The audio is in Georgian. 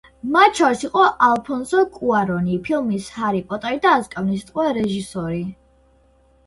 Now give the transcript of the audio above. მათ შორის იყო ალფონსო კუარონი, ფილმის ჰარი პოტერი და აზკაბანის ტყვე რეჟისორი.